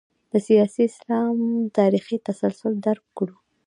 د سیاسي اسلام تاریخي تسلسل درک کړو.